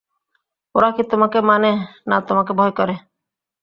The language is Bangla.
ওরা কি তােমাকে মানে, না তােমাকে ভয় করে!